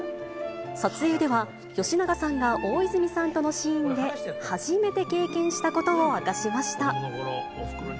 撮影では、吉永さんが大泉さんとのシーンで初めて経験したことを明かしました。